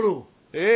ええ。